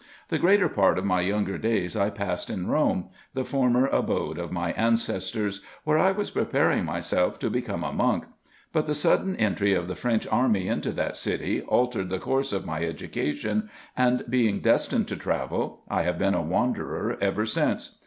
The greater part of my younger days I passed in Rome, the former abode of my ancestors, where I was preparing myself to become a monk ; but the sudden entry of the French army into that city altered the course of my education, and being destined to travel, I have been a wanderer ever since.